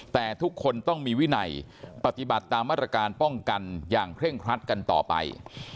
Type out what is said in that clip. แต่ทุกคนต้องมีวินัยปฏิบัติตามมาตรการป้องกันอย่างเคร่งครัดกันต่อไป